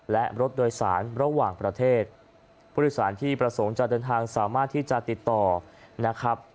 และรถโดยสารระหว่างประเทศผู้โดยสารที่ประสงค์จะเดินทางสามารถที่จะติดต่อนะครับ